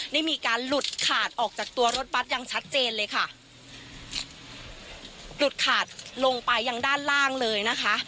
ได้มีการหลุดขาดออกจากตัวรถบัตรอย่างชัดเจนเลยค่ะหลุดขาดลงไปยังด้านล่างเลยนะคะ